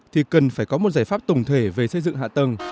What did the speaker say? thì cần phải có một giải pháp tổng thể về xây dựng hạ tầng